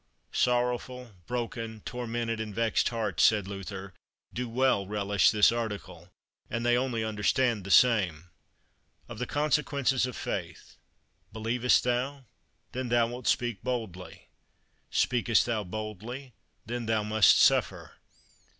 Sorrowful, broken, tormented, and vexed hearts, said Luther, do well relish this article, and they only understand the same. Of the Consequences of Faith. Believest thou? then thou wilt speak boldly. Speakest thou boldly? then thou must suffer.